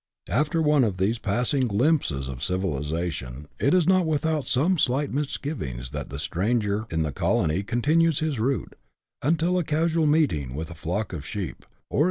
After one of these passing glimpses of civilization, it is not without some slight misgivings that the stranger in the colony continues his route, until a casual meeting with a flock of sheep, 8 BUSH LIFE IN AUSTRALIA. [chap. i.